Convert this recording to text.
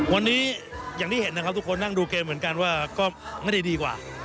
วันนี้อย่างที่เห็นนะครับทุกคนนั่งดูเกมเหมือนกันว่าก็ไม่ได้ดีกว่า